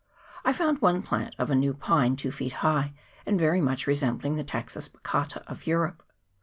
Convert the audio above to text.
I found one plant of a new pine two feet high, and very much resembling the Taxus baccata of Europe.